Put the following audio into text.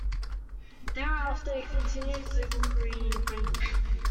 Thereafter, he continued his legal career in Frankfurt.